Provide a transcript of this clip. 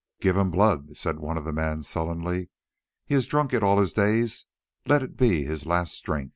"Give him blood," said one of the men sullenly. "He has drunk it all his days, let it be his last drink."